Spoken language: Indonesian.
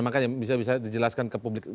makanya bisa bisa dijelaskan ke publik